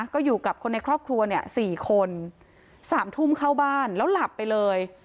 ก็อยู่กับคนในครอบครัวเนี่ย๔คน๓ทุ่มเข้าบ้านแล้วหลับไปเลย